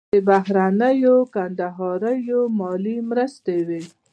د بهرنیو کندهاریو مالي مرستې وې.